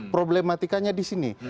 problematikanya di sini